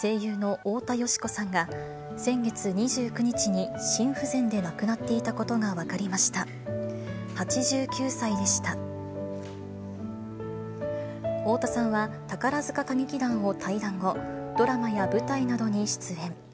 太田さんは宝塚歌劇団を退団後、ドラマや舞台などに出演。